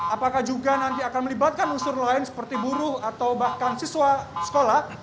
apakah juga nanti akan melibatkan unsur lain seperti buruh atau bahkan siswa sekolah